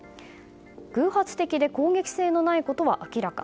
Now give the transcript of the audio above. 偶発的で攻撃性のないことは明らか。